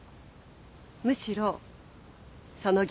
むしろその逆。